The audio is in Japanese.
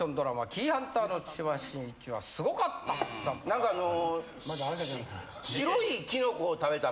・何かあの。